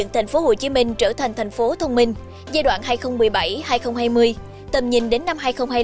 tp hcm trở thành thành phố thông minh giai đoạn hai nghìn một mươi bảy hai nghìn hai mươi tầm nhìn đến năm hai nghìn hai mươi năm